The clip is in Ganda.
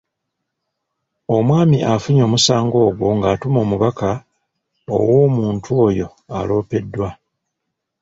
Omwami afunye omusango ogwo ng’atuma omubaka ew’omuntu oyo aloopeddwa.